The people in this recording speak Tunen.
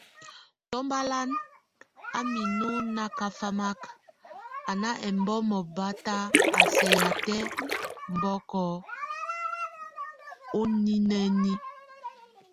Tombalan a mínu nakafamak, a nʼ émbɔmɔ batʼ á sɛk yatɛ́ bɔkʼ o nʼ iŋine.